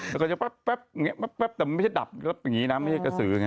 แล้วก็จะแป๊บแบบนี้แป๊บแต่มันไม่ใช่ดับอย่างนี้นะไม่ใช่กระสืออย่างนี้